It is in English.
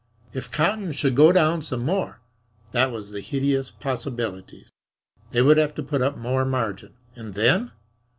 If cotton should go down some more! That was the hideous possibility. They would have to put up more margin, and then